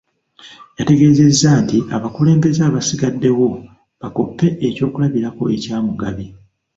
Yategeezezza nti abakulembeze abasigaddewo bakoppe eky'okulabirako ekya Mugabi